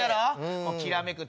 きらめく